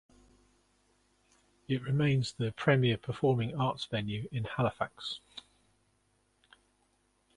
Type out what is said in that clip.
It remains the premier performing arts venue in Halifax.